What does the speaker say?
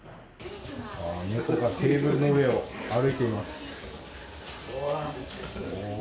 猫がテーブルの上を歩いています。